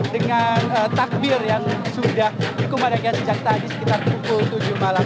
dengan takbir yang sudah dikumadakan sejak tadi sekitar pukul tujuh malam